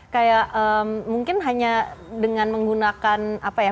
kayak mungkin hanya dengan menggunakan apa ya